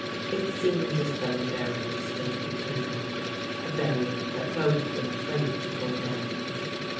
It seemed as though a barrier stood between them, a barrier that both were afraid to pull down.